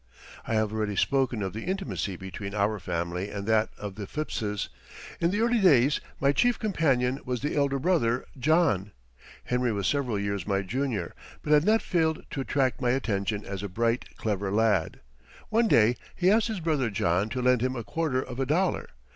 I have already spoken of the intimacy between our family and that of the Phippses. In the early days my chief companion was the elder brother, John. Henry was several years my junior, but had not failed to attract my attention as a bright, clever lad. One day he asked his brother John to lend him a quarter of a dollar.